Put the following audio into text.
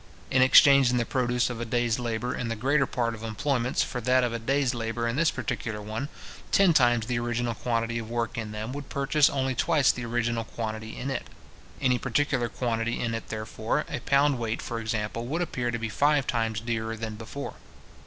In exchanging the produce of a day's labour in the greater part of employments for that of a day's labour in this particular one, ten times the original quantity of work in them would purchase only twice the original quantity in it. Any particular quantity in it, therefore, a pound weight, for example, would appear to be five times dearer than before.